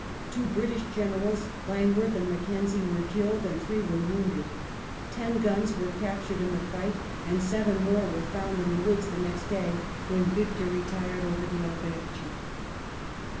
Two British generals, Langworth and Mackenzie, were killed, and three were wonnded. Ten gnns were captured in the fight, and seven more were f onnd in the woods the next day, when Victor retired over the Alberche.